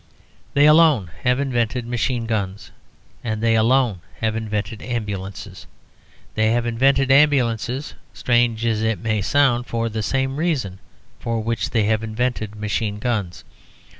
They alone have invented machine guns, and they alone have invented ambulances; they have invented ambulances (strange as it may sound) for the same reason for which they have invented machine guns.